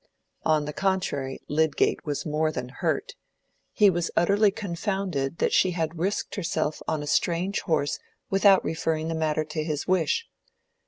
On the contrary Lydgate was more than hurt—he was utterly confounded that she had risked herself on a strange horse without referring the matter to his wish.